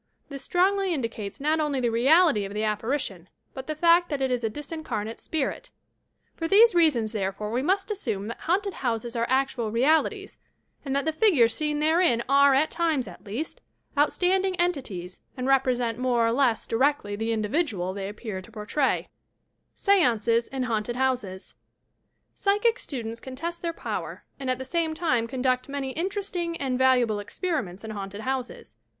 This strongly indicates not only the reality of the appari tion, hut the fact that it is a discarnate spirit. For these reasons, therefore, we must assume that haunted houses are actual realities, and that the figures seen therein are, at times at least, outstanding entities and represent more or less directly the individual they appear to portray, STANCES IN HAUNTED HOUSES Psychic students can test their power and at the same time conduct many interesting and valuable experiments in haunted houses.